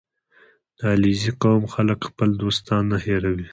• د علیزي قوم خلک خپل دوستان نه هېروي.